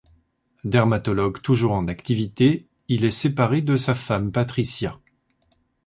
Dermatologue toujours en activité, il est séparé de sa femme Patricia.